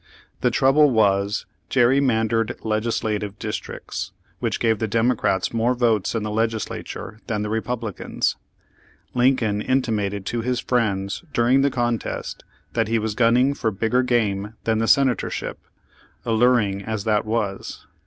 The trouble was gerrymand ered legislative districts, which gave the Demo crats more votes in the Legislature than the Re publicans. Lincoln intimated to his friends dur ing the contest that he was gunning for bigger game than the Senatorship, alluring as that was.